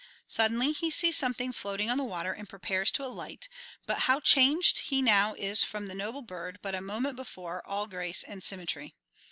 Suddenly he sees something floating on the water and prepares to alight; but how changed he now is from the noble bird but a moment before all grace and symmetry.